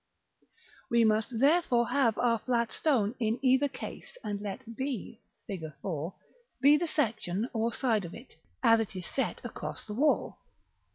We must therefore have our flat stone in either case; and let b, Fig. IV., be the section or side of it, as it is set across the wall.